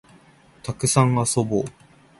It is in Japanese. たくさん遊ぼう